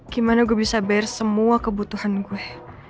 gimana gue bisa bayar semua kebutuhan gue